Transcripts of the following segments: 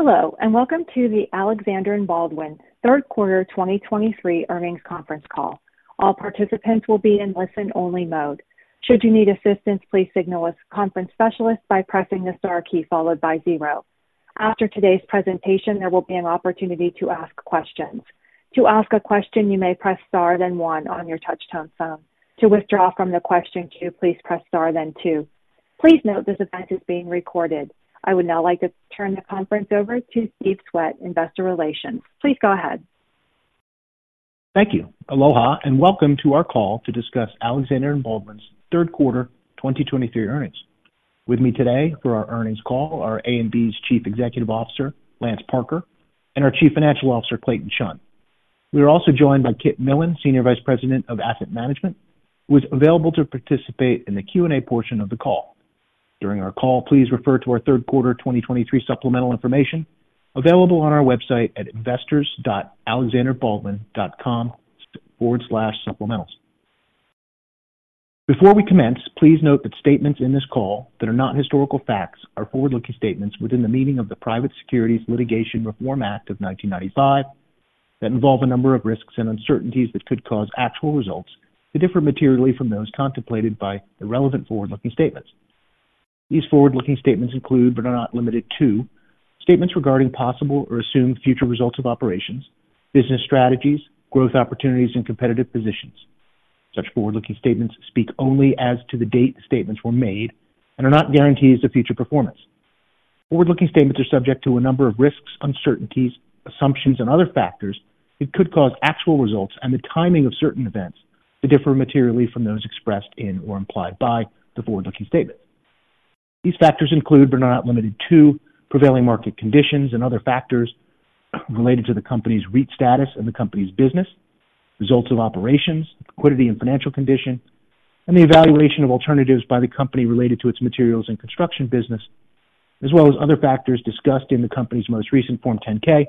Hello, and welcome to the Alexander & Baldwin third quarter 2023 earnings conference call. All participants will be in listen-only mode. Should you need assistance, please signal a conference specialist by pressing the star key followed by zero. After today's presentation, there will be an opportunity to ask questions. To ask a question, you may press star, then one on your touchtone phone. To withdraw from the question queue, please press star, then two. Please note this event is being recorded. I would now like to turn the conference over to Steve Swett, Investor Relations. Please go ahead. Thank you. Aloha, and welcome to our call to discuss Alexander & Baldwin's third quarter 2023 earnings. With me today for our earnings call are A&B's Chief Executive Officer, Lance Parker, and our Chief Financial Officer, Clayton Chun. We are also joined by Kit Millan, Senior Vice President of Asset Management, who is available to participate in the Q&A portion of the call. During our call, please refer to our third quarter 2023 supplemental information available on our website at investors.alexanderbaldwin.com/supplements. Before we commence, please note that statements in this call that are not historical facts are forward-looking statements within the meaning of the Private Securities Litigation Reform Act of 1995, that involve a number of risks and uncertainties that could cause actual results to differ materially from those contemplated by the relevant forward-looking statements. These forward-looking statements include, but are not limited to, statements regarding possible or assumed future results of operations, business strategies, growth opportunities, and competitive positions. Such forward-looking statements speak only as to the date the statements were made and are not guarantees of future performance. Forward-looking statements are subject to a number of risks, uncertainties, assumptions, and other factors that could cause actual results and the timing of certain events to differ materially from those expressed in or implied by the forward-looking statement. These factors include, but are not limited to, prevailing market conditions and other factors related to the company's REIT status and the company's business, results of operations, liquidity and financial condition, and the evaluation of alternatives by the company related to its materials and construction business, as well as other factors discussed in the company's most recent Form 10-K,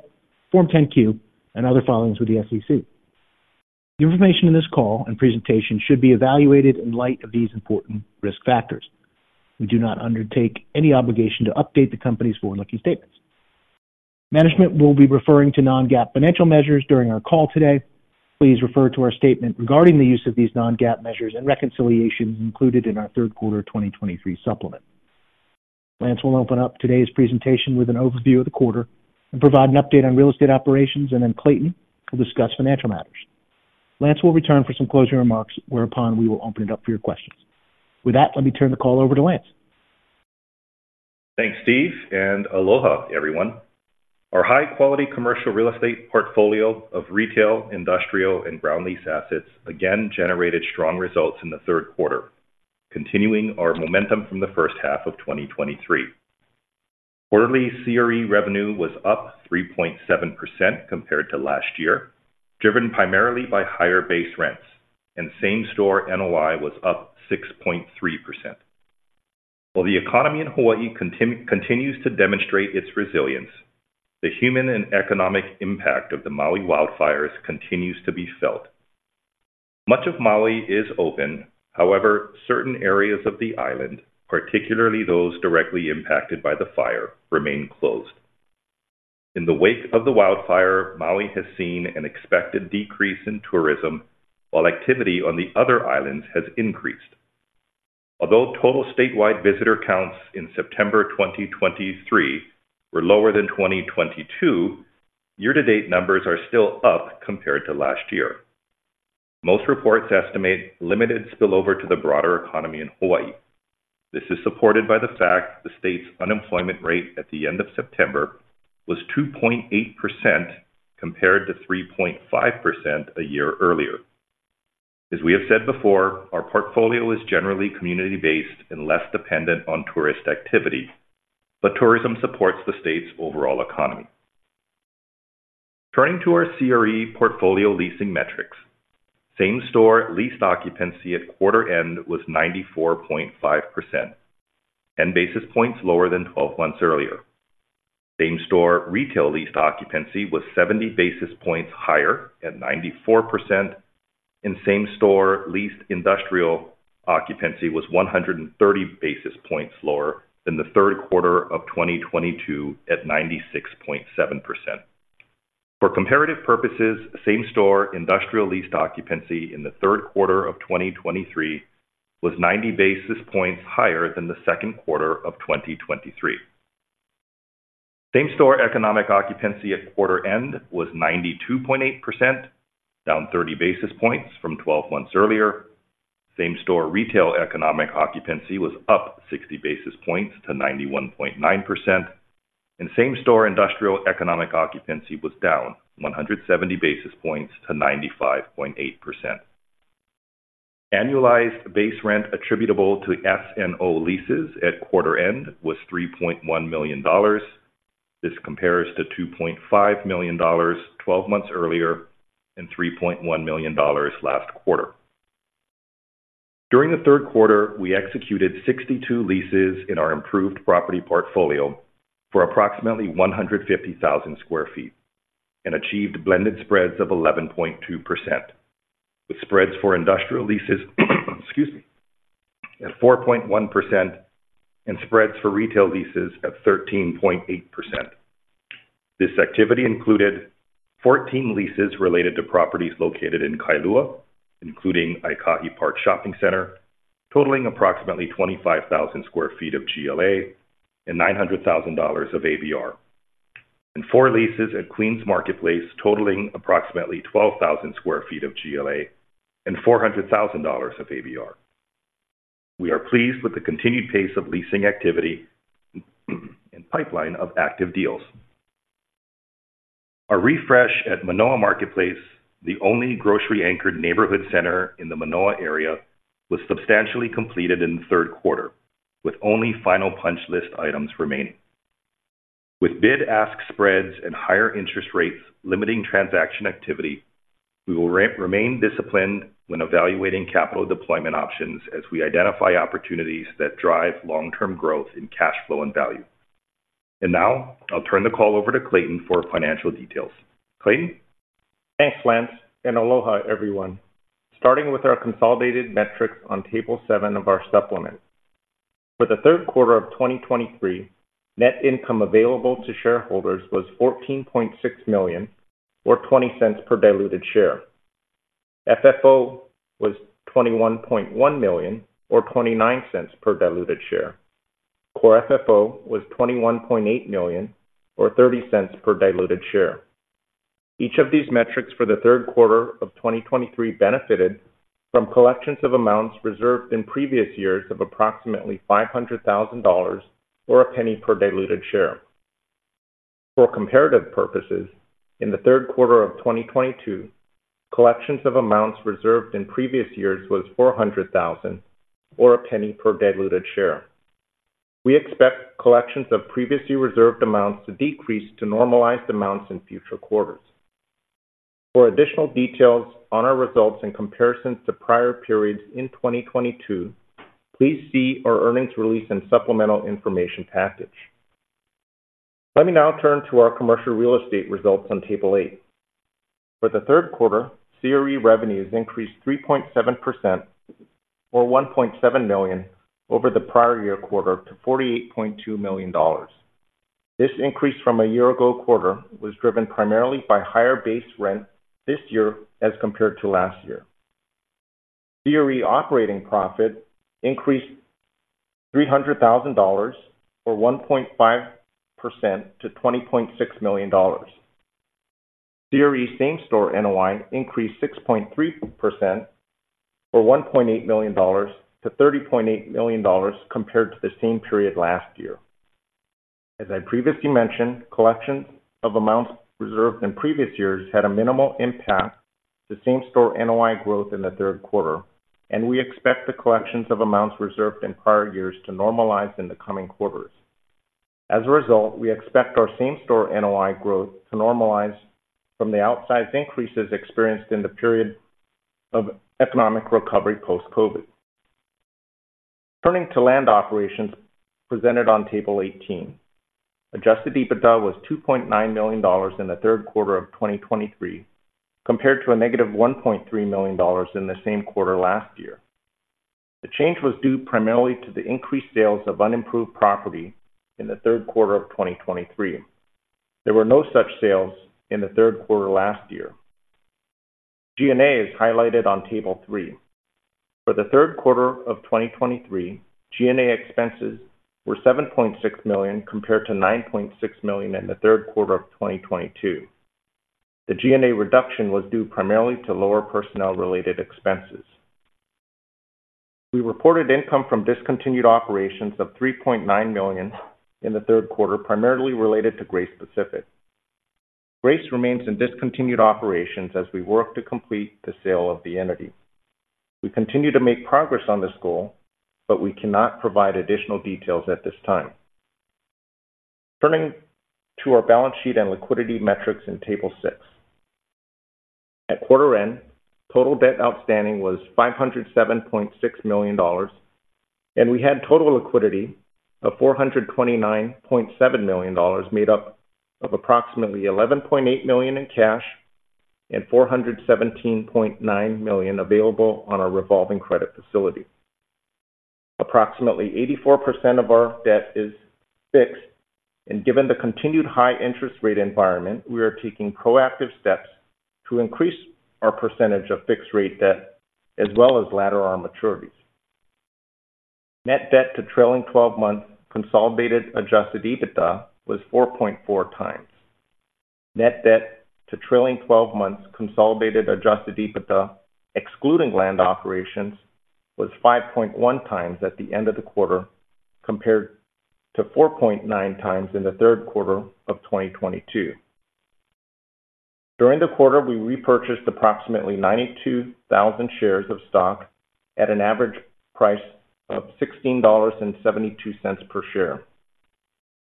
Form 10-Q, and other filings with the SEC. The information in this call and presentation should be evaluated in light of these important risk factors. We do not undertake any obligation to update the company's forward-looking statements. Management will be referring to non-GAAP financial measures during our call today. Please refer to our statement regarding the use of these non-GAAP measures and reconciliations included in our third quarter 2023 supplement. Lance will open up today's presentation with an overview of the quarter and provide an update on real estate operations, and then Clayton will discuss financial matters. Lance will return for some closing remarks, whereupon we will open it up for your questions. With that, let me turn the call over to Lance. Thanks, Steve, and Aloha, everyone. Our high-quality commercial real estate portfolio of retail, industrial, and ground lease assets again generated strong results in the third quarter, continuing our momentum from the first half of 2023. Quarterly CRE revenue was up 3.7% compared to last year, driven primarily by higher base rents, and same-store NOI was up 6.3%. While the economy in Hawaii continues to demonstrate its resilience, the human and economic impact of the Maui wildfires continues to be felt. Much of Maui is open. However, certain areas of the island, particularly those directly impacted by the fire, remain closed. In the wake of the wildfire, Maui has seen an expected decrease in tourism, while activity on the other islands has increased. Although total statewide visitor counts in September 2023 were lower than 2022, year-to-date numbers are still up compared to last year. Most reports estimate limited spillover to the broader economy in Hawaii. This is supported by the fact the state's unemployment rate at the end of September was 2.8%, compared to 3.5% a year earlier. As we have said before, our portfolio is generally community-based and less dependent on tourist activity, but tourism supports the state's overall economy. Turning to our CRE portfolio leasing metrics, same-store leased occupancy at quarter end was 94.5%, 10 basis points lower than twelve months earlier. Same-store retail leased occupancy was 70 basis points higher at 94%, and same-store leased industrial occupancy was 130 basis points lower than the third quarter of 2022, at 96.7%. For comparative purposes, same-store industrial leased occupancy in the third quarter of 2023 was 90 basis points higher than the second quarter of 2023. Same-store economic occupancy at quarter end was 92.8%, down 30 basis points from 12 months earlier. Same-store retail economic occupancy was up 60 basis points to 91.9%, and same-store industrial economic occupancy was down 170 basis points to 95.8%. Annualized base rent attributable to S&O leases at quarter end was $3.1 million. This compares to $2.5 million 12 months earlier and $3.1 million last quarter. During the third quarter, we executed 62 leases in our improved property portfolio for approximately 150,000 sq ft and achieved blended spreads of 11.2%, with spreads for industrial leases, excuse me at 4.1% and spreads for retail leases at 13.8%. This activity included 14 leases related to properties located in Kailua, including Aikahi Park Shopping Center, totaling approximately 25,000 sq ft of GLA and $900,000 of ABR, and four leases at Queens' Marketplace, totaling approximately 12,000 sq ft of GLA and $400,000 of ABR. We are pleased with the continued pace of leasing activity and pipeline of active deals. A refresh at Manoa Marketplace, the only grocery-anchored neighborhood center in the Manoa area, was substantially completed in the third quarter, with only final punch list items remaining. With bid-ask spreads and higher interest rates limiting transaction activity, we will remain disciplined when evaluating capital deployment options as we identify opportunities that drive long-term growth in cash flow and value. And now I'll turn the call over to Clayton for financial details. Clayton? Thanks, Lance, and Aloha, everyone. Starting with our consolidated metrics on Table 7 of our supplement. For the third quarter of 2023, net income available to shareholders was $14.6 million, or $0.20 per diluted share. FFO was $21.1 million, or $0.29 per diluted share. Core FFO was $21.8 million, or $0.30 per diluted share. Each of these metrics for the third quarter of 2023 benefited from collections of amounts reserved in previous years of approximately $500,000, or $0.01 per diluted share. For comparative purposes, in the third quarter of 2022, collections of amounts reserved in previous years was $400,000, or $0.01 per diluted share. We expect collections of previously reserved amounts to decrease to normalized amounts in future quarters. For additional details on our results in comparison to prior periods in 2022, please see our earnings release and supplemental information package. Let me now turn to our commercial real estate results on Table 8. For the third quarter, CRE revenues increased 3.7%, or $1.7 million, over the prior-year quarter to $48.2 million. This increase from a year-ago quarter was driven primarily by higher base rent this year as compared to last year. CRE operating profit increased $300,000, or 1.5% to $20.6 million. CRE Same-Store NOI increased 6.3%, or $1.8 million compared to the same period last year. As I previously mentioned, collections of amounts reserved in previous years had a minimal impact to Same-Store NOI growth in the third quarter, and we expect the collections of amounts reserved in prior years to normalize in the coming quarters. As a result, we expect our Same-Store NOI growth to normalize from the outsized increases experienced in the period of economic recovery post-COVID. Turning to land operations presented on Table 18. Adjusted EBITDA was $2.9 million in the third quarter of 2023, compared to -$1.3 million in the same quarter last year. The change was due primarily to the increased sales of unimproved property in the third quarter of 2023. There were no such sales in the third quarter last year. G&A is highlighted on Table 3. For the third quarter of 2023, G&A expenses were $7.6 million, compared to $9.6 million in the third quarter of 2022. The G&A reduction was due primarily to lower personnel-related expenses. We reported income from discontinued operations of $3.9 million in the third quarter, primarily related to Grace Pacific. Grace remains in discontinued operations as we work to complete the sale of the entity. We continue to make progress on this goal, but we cannot provide additional details at this time. Turning to our balance sheet and liquidity metrics in Table 6. At quarter end, total debt outstanding was $507.6 million, and we had total liquidity of $429.7 million, made up of approximately $11.8 million in cash and $417.9 million available on our revolving credit facility. Approximately 84% of our debt is fixed, and given the continued high interest rate environment, we are taking proactive steps to increase our percentage of fixed rate debt as well as ladder our maturities. Net debt to trailing twelve-month consolidated Adjusted EBITDA was 4.4 times. Net debt to trailing twelve months consolidated Adjusted EBITDA, excluding land operations, was 5.1 times at the end of the quarter, compared to 4.9 times in the third quarter of 2022. During the quarter, we repurchased approximately 92,000 shares of stock at an average price of $16.72 per share.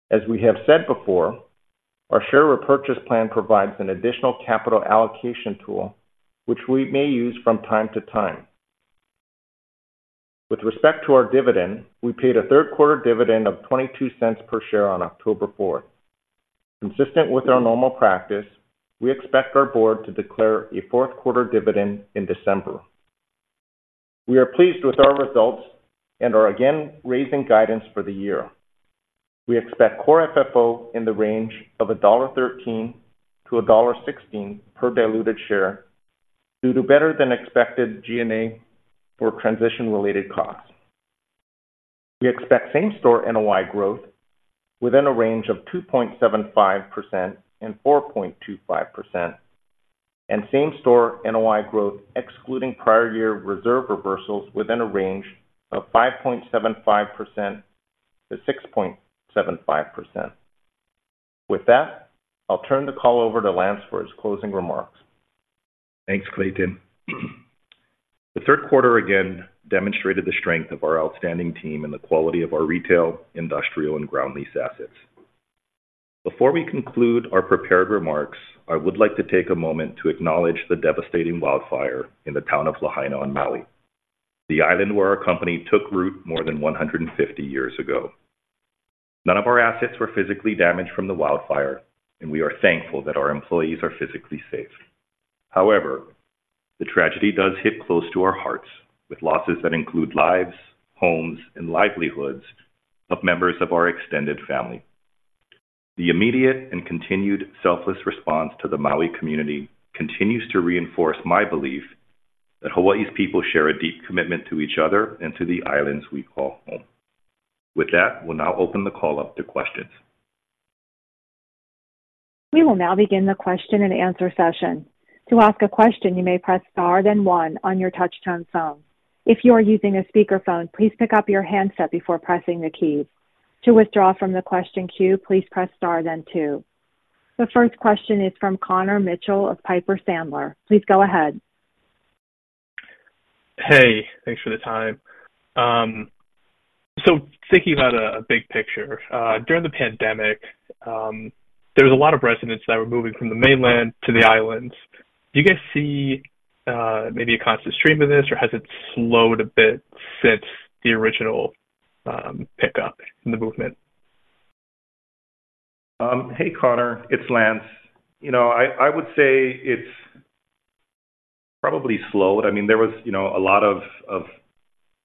As we have said before, our share repurchase plan provides an additional capital allocation tool, which we may use from time to time. With respect to our dividend, we paid a third quarter dividend of $0.22 per share on October 4. Consistent with our normal practice, we expect our board to declare a fourth quarter dividend in December. We are pleased with our results and are again raising guidance for the year. We expect Core FFO in the range of $1.13 to $1.16 per diluted share, due to better-than-expected G&A for transition-related costs. We expect Same-Store NOI growth within a range of 2.75% to 4.25%, and Same-Store NOI growth, excluding prior year reserve reversals, within a range of 5.75% to 6.75%. With that, I'll turn the call over to Lance for his closing remarks. Thanks, Clayton. The third quarter again demonstrated the strength of our outstanding team and the quality of our retail, industrial, and ground lease assets. Before we conclude our prepared remarks, I would like to take a moment to acknowledge the devastating wildfire in the town of Lahaina on Maui, the island where our company took root more than 150 years ago. None of our assets were physically damaged from the wildfire, and we are thankful that our employees are physically safe. However, the tragedy does hit close to our hearts, with losses that include lives, homes, and livelihoods of members of our extended family. The immediate and continued selfless response to the Maui community continues to reinforce my belief that Hawaii's people share a deep commitment to each other and to the islands we call home. With that, we'll now open the call up to questions. We will now begin the question-and-answer session. To ask a question, you may press star then one on your touchtone phone. If you are using a speakerphone, please pick up your handset before pressing the key. To withdraw from the question queue, please press star then two. The first question is from Connor Mitchell of Piper Sandler. Please go ahead. Hey, thanks for the time. So thinking about a big picture, during the pandemic, there was a lot of residents that were moving from the mainland to the islands. Do you guys see maybe a constant stream of this, or has it slowed a bit since the original pickup in the movement? Hey, Connor, it's Lance. You know, I would say it's probably slowed. I mean, there was, you know, a lot of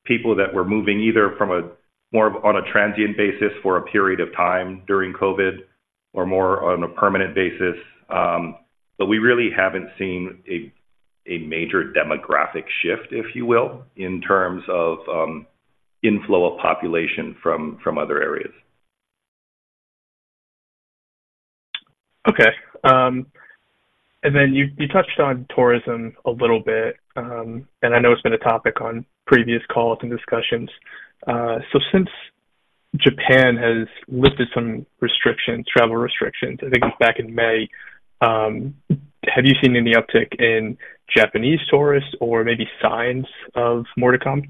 people that were moving either from a more of on a transient basis for a period of time during COVID, or more on a permanent basis. But we really haven't seen a major demographic shift, if you will, in terms of inflow of population from other areas. Okay. And then you, you touched on tourism a little bit, and I know it's been a topic on previous calls and discussions. So since Japan has lifted some restrictions, travel restrictions, I think it was back in May, have you seen any uptick in Japanese tourists or maybe signs of more to come?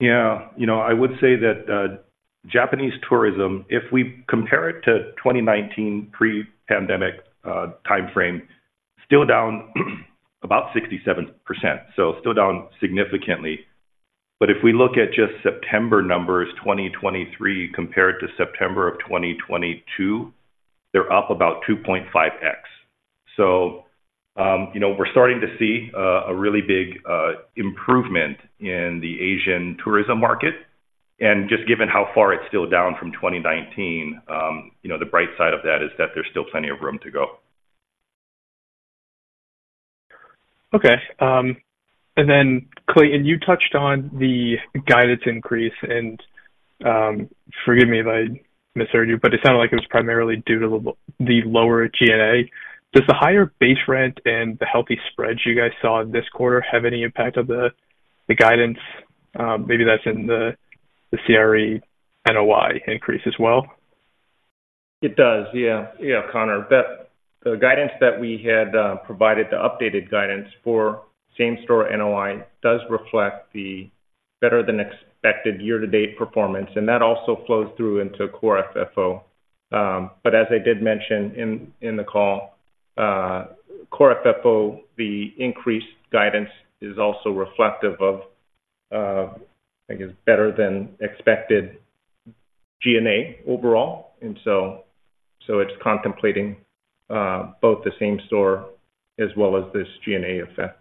Yeah. You know, I would say that, Japanese tourism, if we compare it to 2019 pre-pandemic timeframe, still down about 67%, so still down significantly. But if we look at just September numbers, 2023, compared to September of 2022, they're up about 2.5x. So, you know, we're starting to see a really big improvement in the Asian tourism market, and just given how far it's still down from 2019, you know, the bright side of that is that there's still plenty of room to go. Okay. And then, Clayton, you touched on the guidance increase, and, forgive me if I misheard you, but it sounded like it was primarily due to the lower G&A. Does the higher base rent and the healthy spreads you guys saw in this quarter have any impact on the guidance? Maybe that's in the CRE NOI increase as well. It does. Yeah. Yeah, Connor. The guidance that we had provided, the updated guidance for Same-Store NOI, does reflect the better-than-expected year-to-date performance, and that also flows through into Core FFO. But as I did mention in the call, Core FFO, the increased guidance is also reflective of, I guess, better than expected G&A overall. And so it's contemplating both the same store as well as this G&A effect.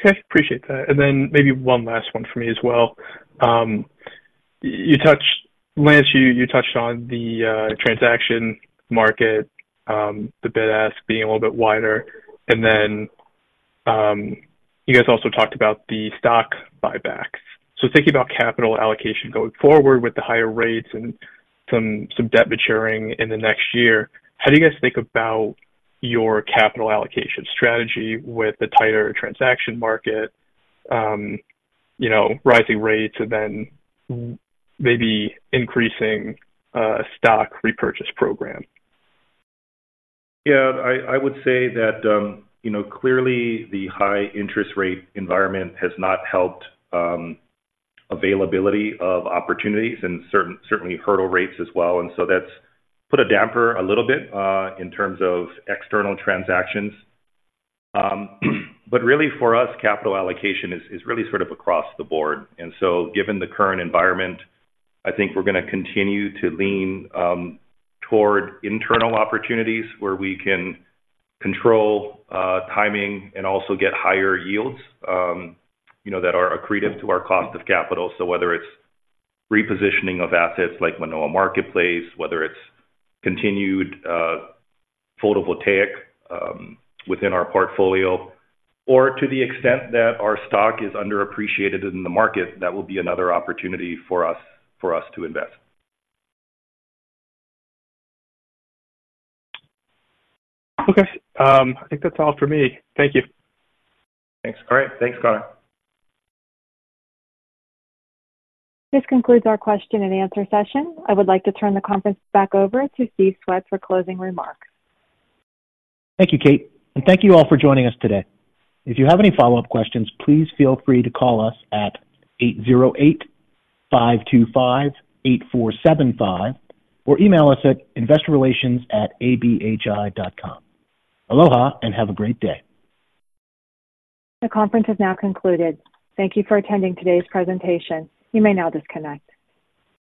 Okay, appreciate that. And then maybe one last one for me as well. You touched Lance, you touched on the transaction market, the bid-ask being a little bit wider, and then you guys also talked about the stock buybacks. So thinking about capital allocation going forward with the higher rates and some debt maturing in the next year, how do you guys think about your capital allocation strategy with the tighter transaction market, you know, rising rates, and then maybe increasing stock repurchase program? Yeah, I, I would say that, you know, clearly, the high interest rate environment has not helped, availability of opportunities and certainly hurdle rates as well. And so that's put a damper a little bit, in terms of external transactions. But really, for us, capital allocation is really sort of across the board. And so given the current environment, I think we're gonna continue to lean, toward internal opportunities, where we can control, timing and also get higher yields, you know, that are accretive to our cost of capital. So whether it's repositioning of assets like Manoa Marketplace, whether it's continued, photovoltaic, within our portfolio, or to the extent that our stock is underappreciated in the market, that will be another opportunity for us, to invest. Okay. I think that's all for me. Thank you. Thanks. All right. Thanks, Connor. This concludes our question-and-answer session. I would like to turn the conference back over to Steve Swett for closing remarks. Thank you, Kate, and thank you all for joining us today. If you have any follow-up questions, please feel free to call us at 808-525-8475 or email us at investorrelations@abhi.com. Aloha, and have a great day. The conference has now concluded. Thank you for attending today's presentation. You may now disconnect.